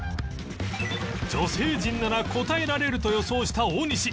女性陣なら答えられると予想した大西